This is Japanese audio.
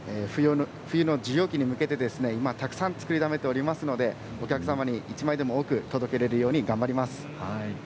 冬の需要期に向けて今たくさん作りだめていますのでお客様に１枚でも多く届けられるように頑張ります。